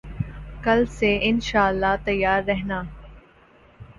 کل سے ان شاءاللہ تیار رہنا